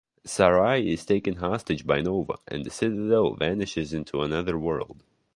Sarai is taken hostage by Nova and the Citadel vanishes into another world.